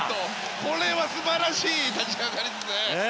これは素晴らしい立ち上がりですね。